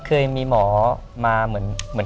เคยมีหมอมาเหมือน